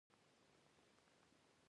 ته ولي ولاړ يى مهرباني وکاه کشينه